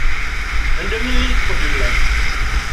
un demi litre de lait